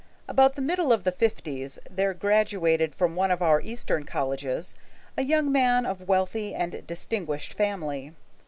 About the middle of the fifties, there graduated from one of our Eastern colleges a young man of wealthy and distinguished family.